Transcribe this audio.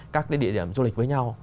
các cái địa điểm du lịch với nhau